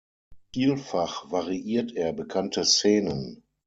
Vielfach variiert er bekannte Szenen.